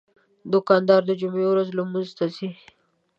دوکاندار د جمعې ورځ لمونځ ته ځي.